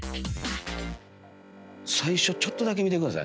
最初ちょっとだけ見てください。